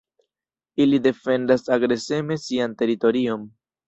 Ili defendas agreseme sian teritorion.